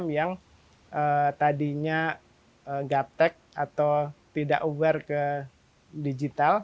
umkm yang tadinya gaptek atau tidak aware ke digital